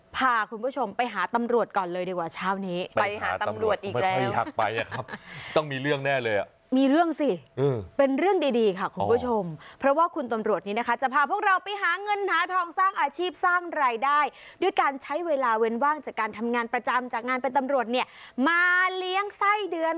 พาคุณผู้ชมไปหาตำรวจก่อนเลยดีกว่าเช้าไปหาตำรวจอีกแล้ว